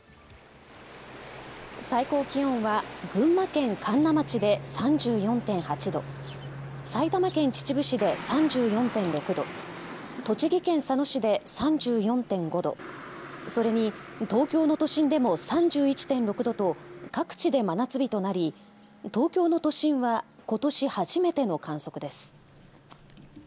最高気温は群馬県神流町で３４．８度、埼玉県秩父市で３４．６度、栃木県佐野市で３４．５度、それに東京の都心でも３１．６度と各地で真夏日となり東京の都心はことし初めての観測です。